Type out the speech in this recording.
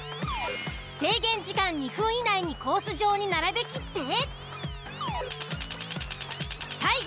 制限時間２分以内にコース上に並べきって。